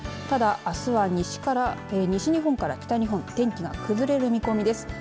ただあすは西日本から北日本天気が崩れる見込みです。